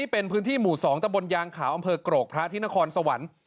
เป็นพื้นที่หมู่๒ตะบนยางขาวอำเภอกรกพระที่นครสวรรค์